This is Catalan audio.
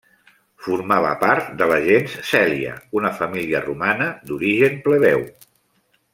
Formava part de la gens Cèlia, una família romana d'origen plebeu.